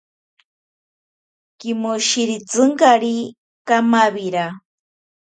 Kimoshiritsinkari kamawira.